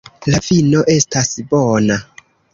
La vino estas bona.